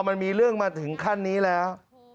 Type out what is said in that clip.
มันมีเรื่องมาถึงขั้นนี้แล้ว